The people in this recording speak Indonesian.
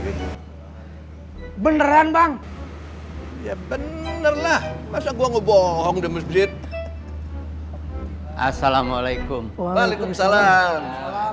khawatir lagi beneran bang ya bener lah masa gua ngebohong demetri assalamualaikum waalaikumsalam